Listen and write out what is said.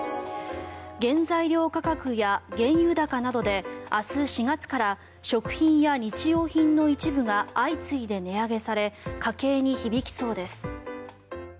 原材料価格や原油高などで明日４月から食品や日用品の一部が相次いで値上げされ家計に響きそうです。